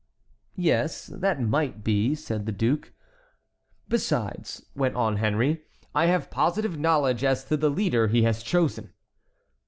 "Yes, that might be," said the duke. "Besides," went on Henry, "I have positive knowledge as to the leader he has chosen."